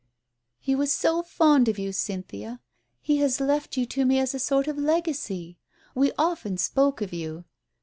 "He was so fond of you, Cynthia! He has left you to me as a sort of legacy. We often spoke of you."